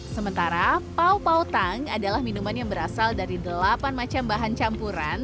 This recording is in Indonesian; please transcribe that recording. sementara pao pao tang adalah minuman yang berasal dari delapan macam bahan campuran